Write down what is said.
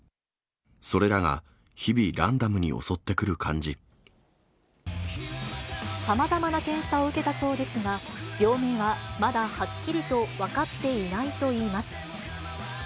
それらが日々、さまざまな検査を受けたそうですが、病名はまだはっきりと分かっていないといいます。